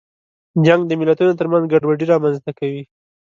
جنګ د ملتونو ترمنځ ګډوډي رامنځته کوي.